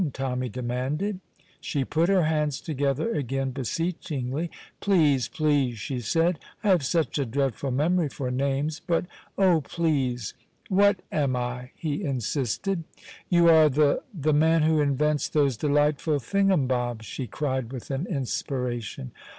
Tommy demanded. She put her hands together again, beseechingly. "Please, please!" she said. "I have such a dreadful memory for names, but oh, please!" "What am I?" he insisted. "You are the the man who invents those delightful thingumbobs," she cried with an inspiration.